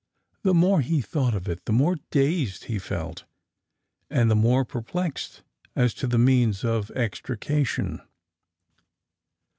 The more he thought of it the more dazed he felt, and the more perplexed as to the means of extrication.